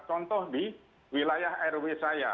contoh di wilayah rw saya